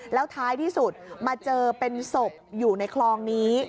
แล้วท้ายที่สุดมาเจอเป็นศพอยู่ในคลองนี้